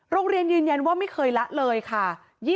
โรงเรียนยืนยันว่าไม่เคยละเลยค่ะ